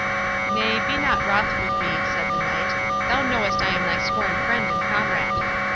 "Nay, be not wroth with me," said the Knight; "thou knowest I am thy sworn friend and comrade."